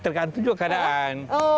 tergantung juga keadaan